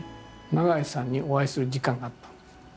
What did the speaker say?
永井さんにお会いする時間があったの。